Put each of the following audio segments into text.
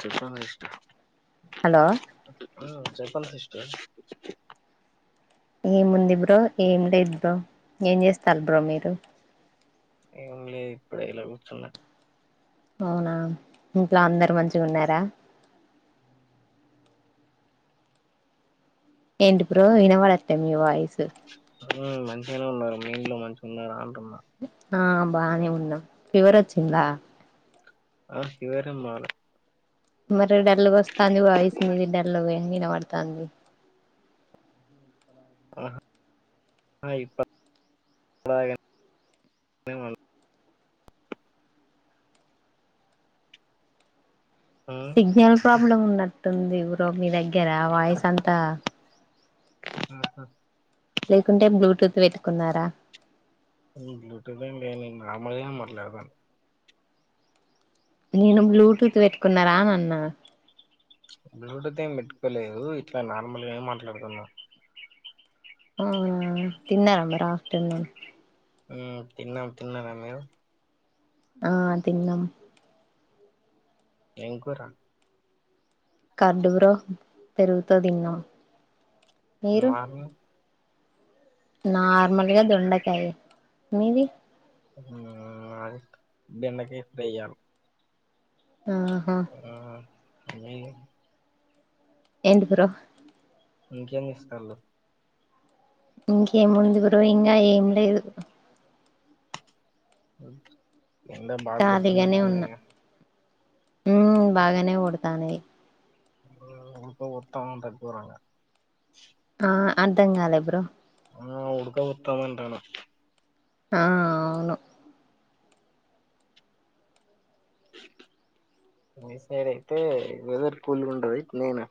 చుసా మస్టా [unintelligible] [inaudible] hello చెప్పండి sister [unintelligible] [inaudible] ఏముంది bro ఏం లేదు బ్రో ఏం జెస్తారు బ్రో మీరు ఏం లే ఇప్పుడే ఇలా గుర్చున్నా అవునా ఇంట్లో అందరు మంచిగున్నారా ఏంటి బ్రో వినవడట్ట మీ వాయిసు హ్మ్ మంచిగనే ఉన్నరు మీ ఇంట్లో మంచిగా ఉన్నరా అంటున్నా ఆ బానే ఉన్నా ఫివర్ వచ్చిందా ఆ ఫీవర్ ఏం రాలే మరి డల్లు వస్తంది వాయసు మీది డల్లు వంగిన వినబడుతంది ఆ ఇప్పు డా [unintelligible] [inaudible] ఉమ్, సిగ్నల్ ప్రాబ్లం ఉన్నట్టుంది బ్రో మీ దగ్గర వాయిస్ అంతా ఆహా [inaudible] [unintelligible] లేకుంటే బ్లూటూత్ పెట్టుకున్నారా బ్లూటూత్ ఏం లే లెండి నార్మల్గానే మట్లాడతన్నా నేను బ్లూటూత్ పెట్టుకున్నారా ఆన్ అన్నా బ్లూటూత్ ఏం పెట్టుకోలేదు ఇట్లా నార్మల్గానే మాట్లాడుతున్నా అవునా తిన్నరా మరి ఆఫ్టర్ నూన్ హ్మ్ తిన్నం తిన్నార మీరు ఆ తిన్నం ఎం కుర కర్డు్రో పెరుగుతొ తిన్నం మార్నింగ్ [unintelligible] నార్మల్గా దొండకాయ మీది [unintelligible] హ్మ్ మాది బెండకాయి ఫ్రయ్య ఆహా [unintelligible] [inaudible] ఎంటి బ్రో ఇంకేన్నిస్కళ్ళు ఇంకేం ఉంది బ్రో ఇంగా ఏం లేదు ఇందాక [unintelligible] [inaudible] బాగా గుర్తునటున్నాయే ఉ బాగానే కొడతానయి [unintelligible] [inaudible] ఊ అత గోతవ్ గోరంగా ఆ అర్ధం గాలే బ్రో ఆ ఉడుక బోతంధంటన్న ఆ అవును మీ [inaudible] సైడ్ అయితే వెదర్ కూల్ కూల్గుంటది నేనా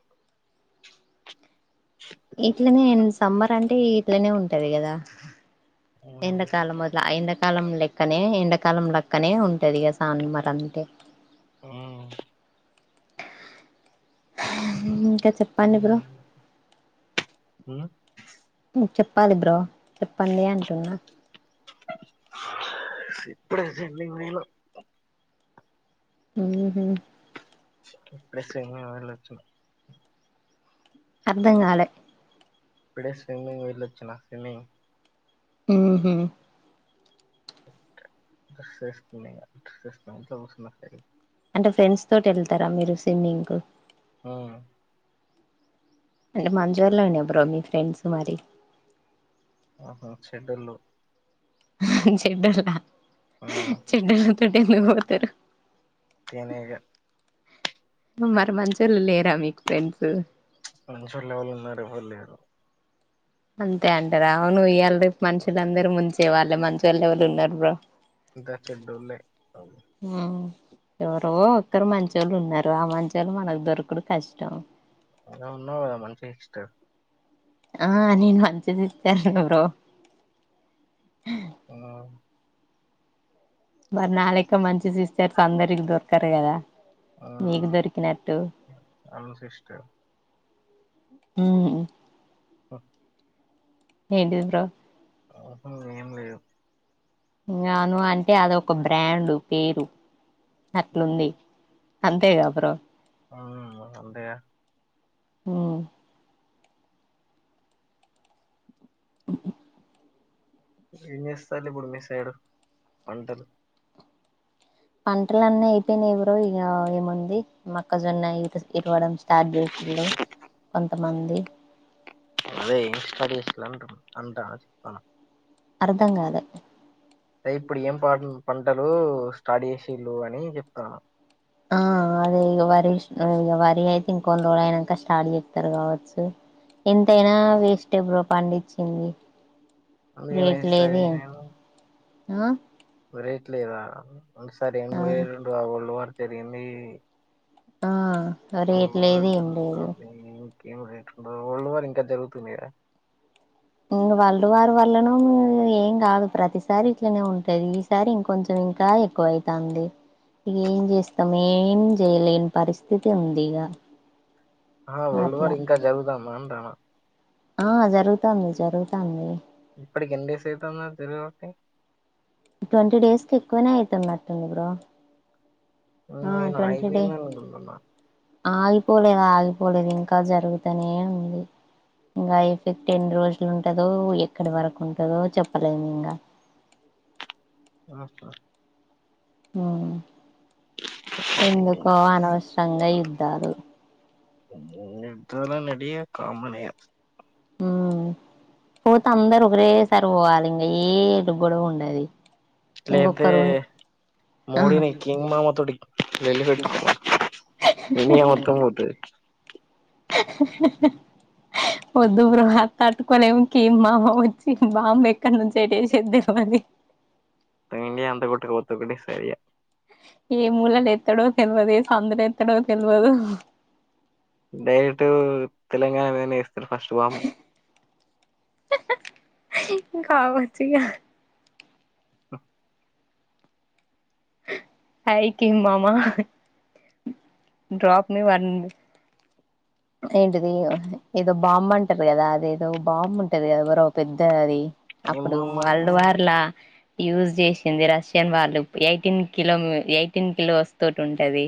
ఇట్లనే సమ్మర్ అంటే ఇట్లనే ఉంటది గదా ఎంత కాాలం మొదల ఎంత కాలం లెక్కనే ఎండాకాలం లెక్కనే ఉంటది కదా సాానుమార్ అంటే ఆ ఇంకా చెప్పండి బ్రో మ్మ్మ్మ్ చెప్పాలి బ్రో చెప్పండి అంటున్నా ఇప్పుడే సెండింగ్ మేలు ఆమ్ మ్మ్ ఇపుడు సెమినార్ వేలివోచ అర్ధంగాాల ఇప్పుడే స్విమ్మింగ్ వళ్ళచ్చనా స్విమ్మింగ్ మ్మ్మ్మ్ మ్మ్మ్మ్ స్తున్నా ఇంట్లో కూర్చునా అంటే ఫ్రెండ్స్ తోటి వెళ్తారా మీరు స్విమ్మింగ్ కు ఆ అంటే మజూర్లోని ఎ బ్రో మీ ఫ్రెండ్స్ మరి ఆహా షెడ్యూల్ చెడ్డలా ఆ చెడ్డల తటి ఎందు పోతారు తేనెగ మరి మంచళ లేరా మీకు ఫ్రెండ్స్ మంచోలు ఎవరు ఉన్నారు ఎవరు లేరు అంతే అంట రావు నువ ఇ్యల మనుషులందరూ ముంచే వాళ్ళు మంచిు వాళ్ళు ఎవళ్ళు ఉన్నారు బ్రో దాచే డోలే అ ఉమ్ ఎవరో ఒక్కరు మంచి వాళ్ళు ఉన్నారు ఆ మంచి వాళ్ళు మనకు దొరకడు కష్టం నువ్వు ఉన్నావు కదా మంచి సిస్టర్ ఆ నేను మంచిదనే బ్రో అవు మరి నాలక మంచి సిస్టర్స్ అందరికి దొరకారు కదా ఆ నీకు దొరికినటు అవును సిస్టర్ మ్మ్మ్మ్ ఓ ఏంటిదు బ్రో అప్పు ఏం లేదు నాను అంటే అదొ ఒక బ్రాండ్ పేరు అట్లుంది అంతేగే బ్రో హ అంతేగా మ్మ్మ్మ్ ఎవరు ఏంచేస్తారు ఇప్పుడు మీ సైడ్ పంటలు పంటల అన్నీ అయిపోయినాయి బ్రో ఇక ఏముంది మక్కజొన్న ఇ ఇరవడం స్టార్ట్ చేసిళు కొంతమంది అదే స్టడస్ అంట చె అర్ధం కాలే అదే ఇప్పుడు ఏం పంటలు స్టడీ చేసిళు అని చెప్తాను ఆ అదే ఇక వరి ఇక వరి అయితే ఇంకొధీరోజు అయినాక స్టార్ట్ చేస్తారు కావచ్చు ఎంతైనా వేస్టే బ్రో పండించిది రేట్ అందుకేమేస్తది లేదు నేను ఆ రేట్ లేదాసారి ఎం ఆ వరల్డ్ వారు జరిగింది ఆ అ రేట్ వరల్డ్ లేదు వార్ ఏం లేదు జరుగుతాంది [inaudible] వరల్డ్ వార్ ఇంకా జరుగుతుంది కదా. ఇంగా వరల్డ్ వార్ వల్లనో ఏం కాదు. ప్రతిసారి ఇట్లనే ఉంటది ఈసారి ఇంకొంచెం ఇంకా ఎక్కువైతాంది. ఇగ ఏం చేస్తాం. ఏం చేయలేని పరిస్థితి ఉంది ఇగా. ఆహా వరల్డ్ వార్ ఇంకా జరుగుతాందా అంటనా. ఆ జరుగుతాంది జరుగుతాంది. ఇప్పటికి ఎన్ని డేస్ అయితాంది అది జరగబట్టి. అయితున్నట్టు ఉంది బ్రో. ఆ నేను ట్వంటీ డే ఆగిపోయింది అనుకుంటున్నా. ఆగిపోలేదు ఆగిపోలేదు ఇంకా జరుగుతనే ఉంది. ఇంగా ఎఫెక్ట్ ఎన్ని రోజులు ఉంటదో, ఎక్కడి వరకు ఉంటదో చెప్పలేము ఇంగా. ఆహా హ్ ఎందుకో అనవసరంగా యుద్దాలు. యుద్దాలు అనేటియి కామనే ఇగా. హ్ పోతే అందరు ఒకటే సారి పోవాలే ఇంగా ఏ గొడవా ఉండది. లేకపోతే ఇంకొక్కరు మోడిని కింగ్ మామా తోటి లోల్లి పెట్టుకోమను. ఇండియా మొత్తం పోతది. ఒద్దు బ్రో తట్టుకోలేం కిమ్ మామ వచ్చి బాంబ్ ఏ ఎక్కనుంచి ఎటు ఏసేది తెలవది. మొత్తం ఇండియా అంత కోట్టుకపోతది ఒకటే సారి ఇగా. ఏ మూలలేత్తడో తెలవది ఎసందులో ఎ డైరెక్ట్ తెలంగాణ మీదనే ఏస్ కావచ్చు ఇగా. ఆ హాయ్ కిమ్ మామా డ్రాప్ మీ వన్ ఏంటిది ఏదో బాంబ్ అంటరు కదా. అది ఏదో బాంబు ఉంటది కదా ఎవరో పెద్ద అది ఏం అప్పుడు బాంబు అది వరల్డ్ వర్లా యూజ్ చేసింది రష్యన్ వాళ్ళు ఎయిటీన్ కిలోమీ ఎయిటీన్ కిలోస్ తోటి ఉంటది.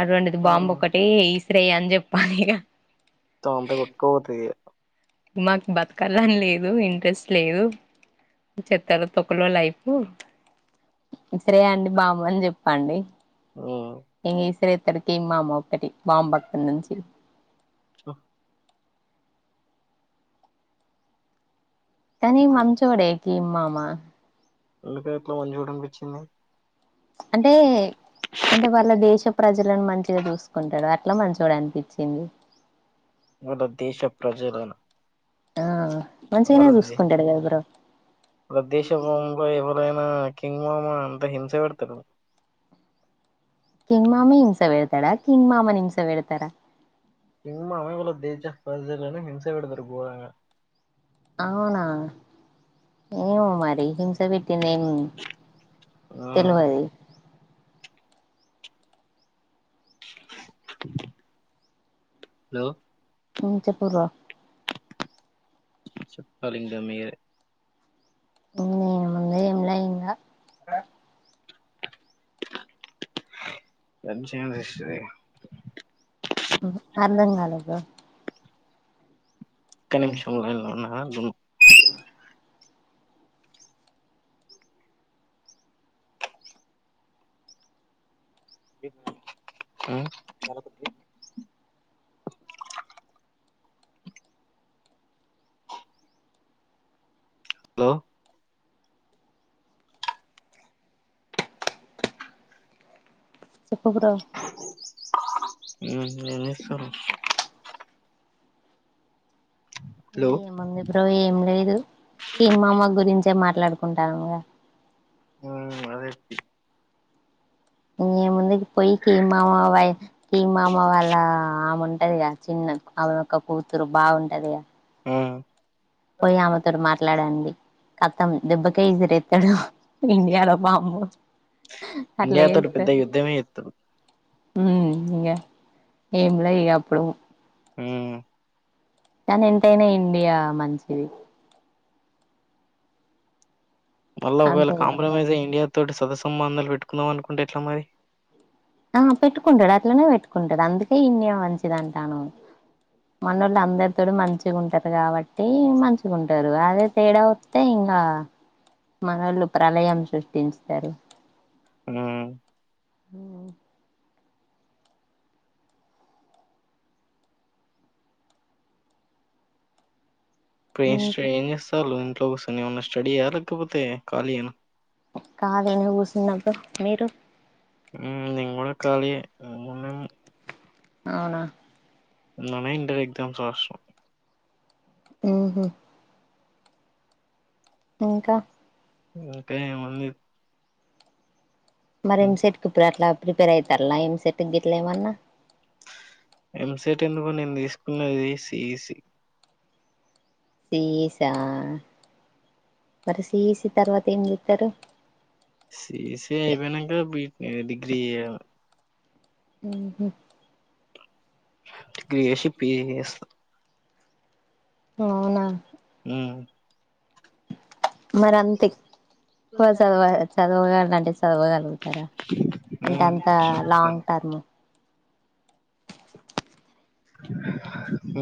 అసోంటిది ఉమ్ బాంబు ఒకటి ఇస్రేయ్ అని చెప్పాలి ఇగా. మొత్తం అంత కొట్టుకపోతది ఇగా. మాకు బతకాలని లేదు ఇం ట్రెస్ట్ లేదు చెత్తలో తొక్కలో లైఫు. ఇసిరేయండి బాంబు అని చెప్పండి. ఉమ్ ఇంగ ఇసిరేతడ్డు కిమ్ మామ ఒకటి బాంబ్ అక్కనుంచి. కానీ మంచోడే కిమ్ మామా. ఎందుక అట్లా మంచోడు అనిపిచ్చింది. అంటే అంటే వాళ్ళ దేశ ప్రజలను మంచిగా చూసుకుంటడు అట్లా మంచోడు అనిపించింది. మన దేశ ప్రజలను ఆ మంచిగనే చూసుకుంటడు కదా బ్రో. ప్రదేశ భావంలో ఎవరైనా కింగ్ మామా అంత హింస పెడతడు. కింగ్ మామే హింసా పెడ్తడా, కింగ్ మామని హింస పెడ్తరా. కింగ్ మామా వాళ్ళ దేశ ప్రజలను హింస పెడతరు గోరంగా. అవునా ఏమో మరి హింస పెట్టిందేం ఆ తెలవది. హలో ఉ చెప్పు రా చెప్పాలి ఇంగ మీరే ఉ నేను ముందే ఏంలా ఇంగ ఆ [unintelligible] ఉ అర్థం కాలేదు ఇక్క నిమిషం లైన్లో ఉన్నారా అ ఆ హలో చెప్పు బ్రో ఏం చేస్తన్నావ్ ఏ హలో ఏముంది బ్రో ఏం లేదు ఈ మామ గురించి తే మాట్లాడుకుంటా ఉ అదే ఇంగేముంది పోయి కీ మామ క మామ వాళ్ళ ఆమె ఉంటదిగా చిన్ని ఆమె యొక్క కూతురు బాగుంటది ఆ పోయి ఆమెతోడు మాట్లాడండి కత్తం దెబ్బక ఇసిరెత్తాడు ఇంటికాడ వామ్మో ఇండియా అట్లేమి తోటి పెద్ద ఉండదు యుద్ధమే చేత్తడు ఉ ఇంగ ఏం లే ఇగ అప్పుడు ఉ కానీ ఎంతైనా ఇండియా మంచిది మళ్ళా ఒకవేళ అంతే కదా బ్రో కాంప్రమైజ్ అయ ఇండియా తోటి సదసంబంధాలు పెట్టుకుందాం అనుకుంటే ఎట్లా మరి ఆ పెట్టుకుంటాడు అట్లనే పెట్టుకుంటాడు అందుకే ఇన్నే మంచిది అంటాను మన వాళ్ళు అందరితో మంచిగా ఉంటారు కాబట్టి మంచిగా ఉంటారు అదే తేడా వస్తే ఇ ఇంగా మనలు ప్రళయం సృష్టించారు ఉ ఉ ఇప్పుడు ఏట ఏం చేస్తాలు ఇంట్లో కూసని ఏమన్నా స్టడీ అయ్యా లేకపోతే ఖాళీ అను కాలిగ కూర్చన్నప్పుడు మీరు ఉ నేను కూడా కాలియే అవునా మొన్ననే ఇంటర్ ఎక్జామ్స్ రాశ ఉహు ఇంకా ఇంకేముంది మరి ఎంసెట్ ఇప్పుడు అట్లా ప్రిపేర్ అవుతారలా ఎంసెట్కి గిట్లా ఏమన్నా ఎంసెట్ ఎందుకు నేను తీసుకున్నది సిఈసి సీసా మరి సిఈసి తర్వాత ఏం చెత్తరు సిఈసీ అయిపోయినాక బీటీ డిగ్రీ చేయాల ఉహు బిఎస్సీ చేసి బిఏ చేసుకో అవునా ఉ మరి అంత ఎక్కువ చదవ చదవగల అంటే చదవగలుగుత అంటే ఉమ్ అంత చదువుతా లాంగ్ టర్మ్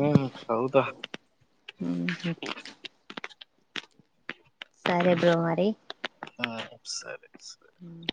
ఉమ్ చదువుతా సరే బ్రో మరి ఆ సరే స ఉమ్